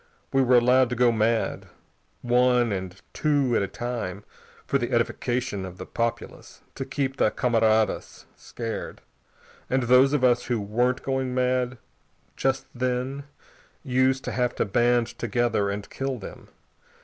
We were allowed to go mad, one and two at a time, for the edification of the populace, to keep the camaradas scared. And those of us who weren't going mad just then used to have to band together and kill them.